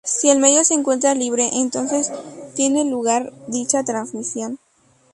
Si el medio se encuentra libre entonces tiene lugar dicha transmisión.